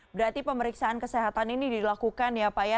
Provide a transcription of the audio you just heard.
berarti pemeriksaan kesehatan ini dilakukan ya pak ya